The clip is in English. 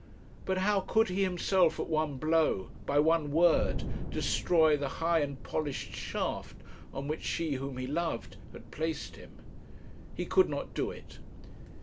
But how could he himself, at one blow, by one word, destroy the high and polished shaft on which she whom he loved had placed him? He could not do it.